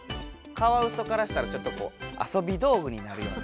カワウソからしたらちょっとこう遊びどうぐになるような。